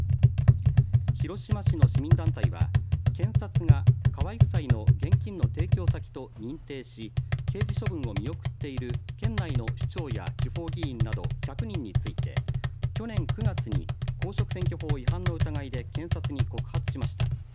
広島市の市民団体は検察が河井夫妻の現金の提供先と認定し刑事処分を見送っている県内の首長や地方議員など１００人について去年９月に公職選挙法違反の疑いで検察に告発しました。